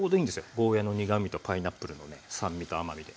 ゴーヤーの苦みとパイナップルのね酸味と甘みで。